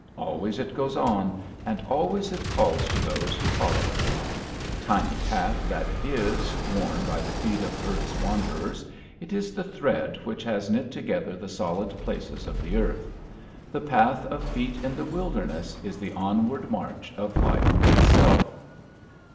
Always it goes on, and always it calls to those that follow it. Tiny path that it is, worn by the feet of earth's wanderers, it is the thread which has knit together the solid places of the earth. The path of feet in the wilderness is the onward march of life itself.